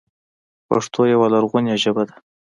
پښتو یوه لرغوني ژبه ده.